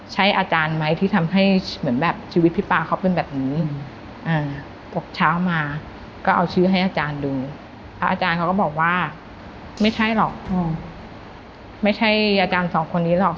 พระอาจารย์เขาก็บอกว่าไม่ใช่หรอกอืมไม่ใช่อาจารย์สองคนนี้หรอก